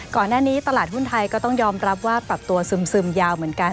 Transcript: ก่อนหน้านี้ตลาดหุ้นไทยก็ต้องยอมรับว่าปรับตัวซึมยาวเหมือนกัน